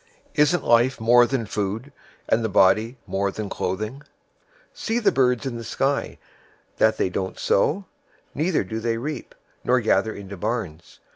Isn't life more than food, and the body more than clothing? 006:026 See the birds of the sky, that they don't sow, neither do they reap, nor gather into barns.